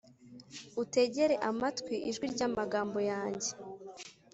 utegere amatwi ijwi ry’amagambo yanjye